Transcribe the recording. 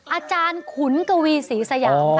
อาจารย์ขุนกวีศรีสยามค่ะ